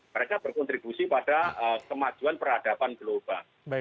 mereka berkontribusi pada kemajuan peradaban global